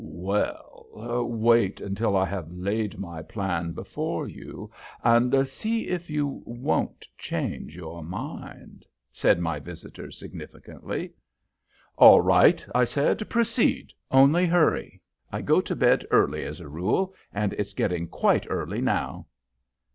"Well, wait until I have laid my plan before you, and see if you won't change your mind," said my visitor, significantly. "All right," I said. "Proceed. Only hurry. I go to bed early, as a rule, and it's getting quite early now."